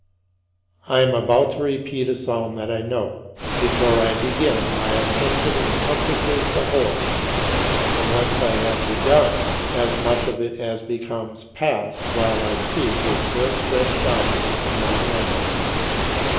38. I am about to repeat a psalm that I know. Before I begin, my attention encompasses the whole, but once I have begun, as much of it as becomes past while I speak is still stretched out in my memory.